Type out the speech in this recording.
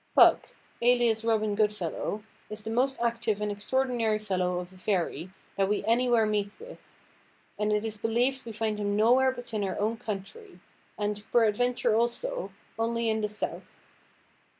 Puck, alias Robin Goodfellow, is the most active and extraordinary fellow of a fairy that we anywhere meet with, and it is believed we find him nowhere but in our own country, and, peradventure also, only in the South.